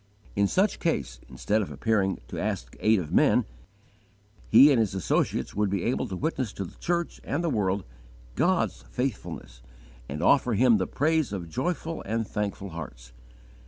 In such case, instead of appearing to ask aid of men, he and his associates would be able to witness to the church and the world, God's faithfulness, and offer Him the praise of joyful and thankful hearts.